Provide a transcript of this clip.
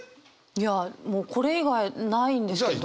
いやもうこれ以外ないんですけど。